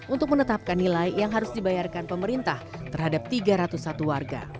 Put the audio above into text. untuk menetapkan nilai yang harus dibayarkan pemerintah terhadap tiga ratus satu warga